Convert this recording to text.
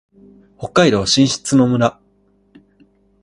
北海道新篠津村